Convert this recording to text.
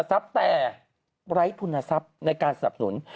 ไร้ภูณศัพท์ในการสนับหนุน